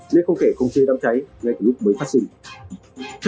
nên không kể không chơi đâm cháy ngay từ lúc mới phát sinh